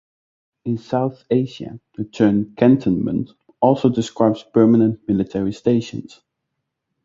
In South Asia, the term cantonment also describes permanent military stations.